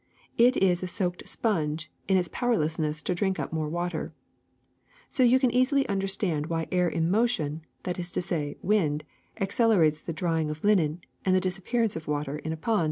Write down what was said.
It is a soaked sponge in its powerlessness to drink up more water. So you can easily understand w^hy air in motion, that is to say wind, accelerates the drying of linen and the disappearance of the water in a pond.